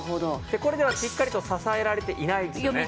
でこれではしっかりと支えられていないですよね。